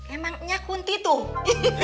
emangnya kunti tuh